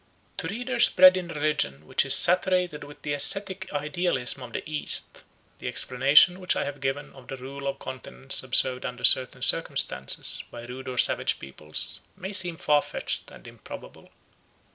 To readers bred in religion which is saturated with the ascetic idealism of the East, the explanation which I have given of the rule of continence observed under certain circumstances by rude or savage peoples may seem far fetched and improbable.